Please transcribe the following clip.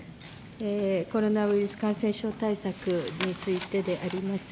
コロナウイルス感染症対策についてであります。